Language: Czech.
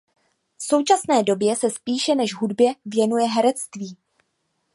V současné době se spíše než hudbě věnuje herectví.